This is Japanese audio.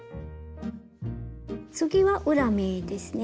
次は裏目ですね。